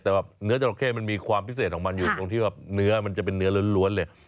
แต่ว่าเนื้อจราเข้มันมีความพิเศษของมันอยู่ตรงที่ว่าเนื้อมันจะเป็นเนื้อล้วนเลย